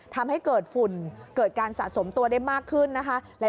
ทำให้เกิดฝุ่นเกิดการสะสมตัวได้มากขึ้นนะคะ